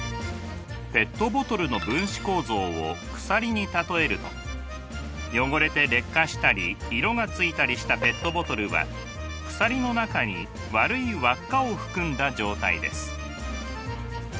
ペットボトルの分子構造を鎖に例えると汚れて劣化したり色がついたりしたペットボトルは鎖の中に悪い輪っかを含んだ状態です。